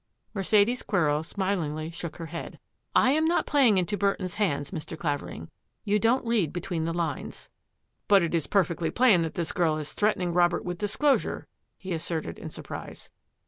Mercedes Quero smilingly shook her head. ^^ I am not playing into Burton's hands, Mr. Clavering. You don't read between the lines." ^^ But it is perfectly plain that this girl is threatening Robert with disclosure," he asserted in surprise.